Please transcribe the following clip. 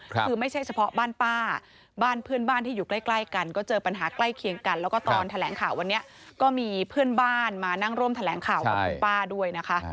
คือไม่ใช่เฉพาะบ้านป้าบ้านเพื่อนบ้านที่อยู่ใกล้กันก็เจอปัญหาใกล้เคียงกันแล้วก็ตอนแถลงข่าววันนี้ก็มีเพื่อนบ้านมานั่งร่วมแถลงข่าวกับคุณป้าด้วยนะคะ